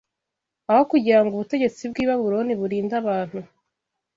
Aho kugira ngo ubutegetsi bw’i Babuloni burinde abantu